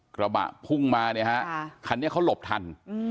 กระบะพุ่งมาเนี่ยฮะคันนี้เขาหลบทัน